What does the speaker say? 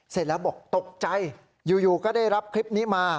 เสร็จแล้วบอกตกใจอยู่ก็ได้รับคลิปนี้มา